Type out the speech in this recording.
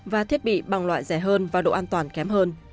và thiết bị bằng loại rẻ hơn và độ an toàn kém hơn